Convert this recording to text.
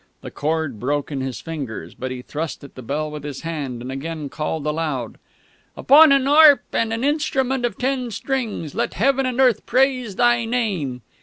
The cord broke in his fingers, but he thrust at the bell with his hand, and again called aloud. "Upon an harp and an instrument of ten strings ... let Heaven and Earth praise Thy Name!..."